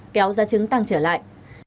kéo giá trứng tăng trở lại